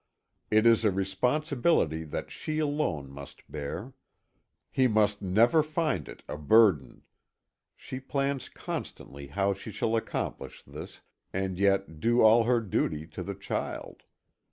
It is a responsibility that she alone must bear. He must never find it a burden. She plans constantly how she shall accomplish this, and yet do all her duty to the child.